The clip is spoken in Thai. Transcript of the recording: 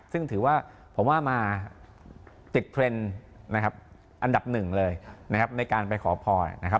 ซึ่งถือว่าผมว่ามาติดเพล็นอันดับหนึ่งเลยในการไปขอพอนะครับ